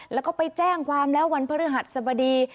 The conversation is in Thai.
แล้วก็ไปแจ้งความแล้ววันพฤหัสสบดี